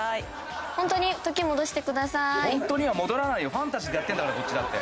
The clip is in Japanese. ファンタジーでやってるんだからこっちだって。